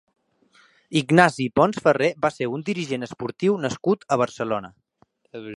Ignasi Pons Ferrer va ser un dirigent esportiu nascut a Barcelona.